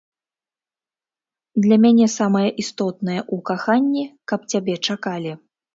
Для мяне самае істотнае ў каханні, каб цябе чакалі.